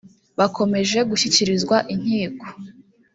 bakomeje gushyikirizwa inkiko